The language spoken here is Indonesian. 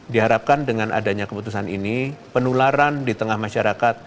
diharapkan dengan adanya keputusan ini penularan di tengah masyarakat